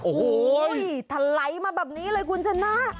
โอ้โหทะไหลมาแบบนี้เลยคุณชนะ